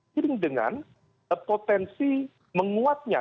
kering dengan potensi menguatnya